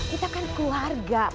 kita kan keluarga